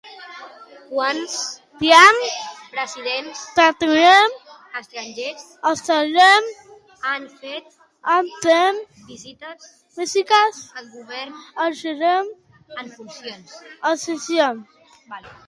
Quants presidents estrangers han fet visites al govern en funcions?